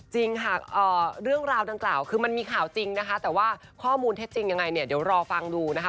จริงค่ะเรื่องราวดังกล่าวคือมันมีข่าวจริงนะคะแต่ว่าข้อมูลเท็จจริงยังไงเนี่ยเดี๋ยวรอฟังดูนะคะ